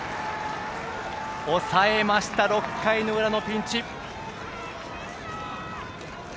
抑えました、６回の裏のピンチ。